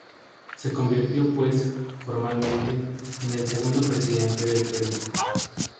Se convirtió pues, formalmente, en el segundo Presidente del Perú.